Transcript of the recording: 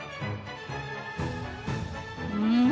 うん。